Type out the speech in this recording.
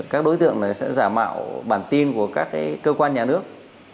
các đối tượng này sẽ giả mạo bản tin của các cơ quan nhà nước